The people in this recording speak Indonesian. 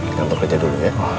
kita bekerja dulu ya